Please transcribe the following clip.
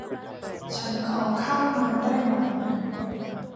ฉันขอเข้ามาได้ไหม